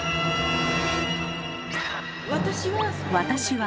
「私は」